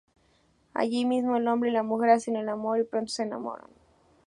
Allí mismo, el hombre y la mujer hacen el amor, y pronto se enamoran.